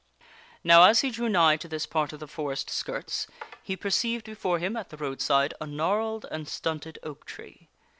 Now as he drew nigh to this part of the forest skirts, he perceived before him at the roadside a gnarled and stunted oak tree.